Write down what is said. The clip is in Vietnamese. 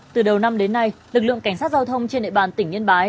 từ đầu năm đến nay lực lượng cảnh sát giao thông trên địa bàn tỉnh yên bái